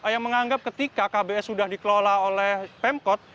yang menganggap ketika kbs sudah dikelola oleh pemkot